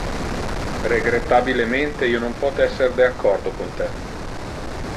Regrettabilemente io non pote esser de accordo con te.